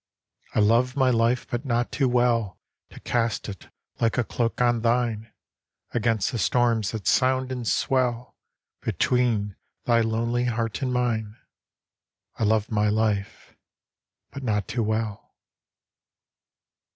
I love my life but not too wellTo cast it like a cloak on thine, Against the storms that sound and swellBetween thy lonely heart and mine.I love my life, but not too well.